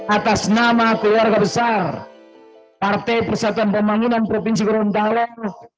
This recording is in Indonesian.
atas nama keluarga besar partai persatuan pembangunan provinsi gorontalo